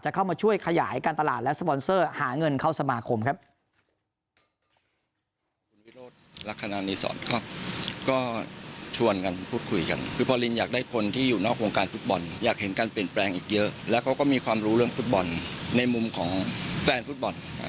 เข้ามาช่วยขยายการตลาดและสปอนเซอร์หาเงินเข้าสมาคมครับ